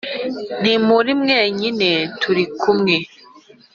Ntimuri mwenyine turi kumwe